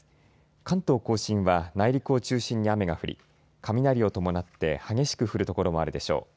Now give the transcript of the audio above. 関東甲信は内陸を中心に雨が降り雷を伴って激しく降る所もあるでしょう。